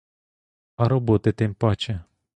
А роботи тим паче.